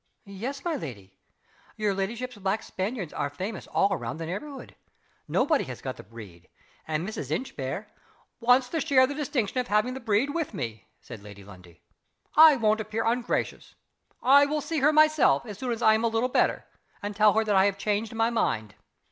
"Yes, my lady. Your ladyship's black Spaniards are famous all round the neighborhood. Nobody has got the breed. And Mrs. Inchbare " "Wants to share the distinction of having the breed with me," said Lady Lundie. "I won't appear ungracious. I will see her myself, as soon as I am a little better, and tell her that I have changed my mind.